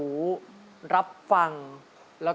กลับมาฟังเพลง